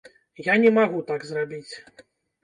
Я не магу так зрабіць.